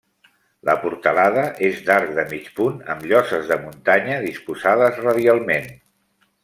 La portalada és d'arc de mig punt, amb lloses de muntanya disposades radialment.